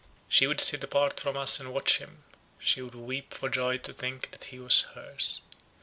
She would sit apart from us and watch him; she would weep for joy to think that he was hers.